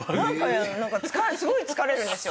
すごい疲れるんですよ。